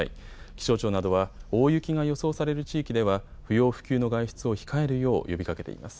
気象庁などは大雪が予想される地域では不要不急の外出を控えるよう呼びかけています。